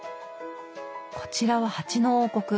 こちらは蜂の王国。